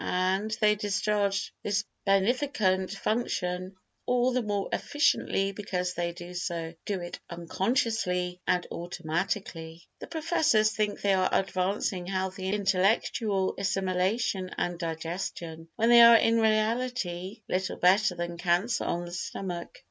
And they discharge this beneficent function all the more efficiently because they do it unconsciously and automatically. The professors think they are advancing healthy intellectual assimilation and digestion when they are in reality little better than cancer on the stomach.